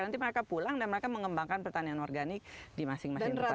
nanti mereka pulang dan mereka mengembangkan pertanian organik di masing masing petani